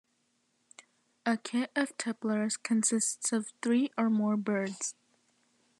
A "kit" of tipplers consists of three or more birds.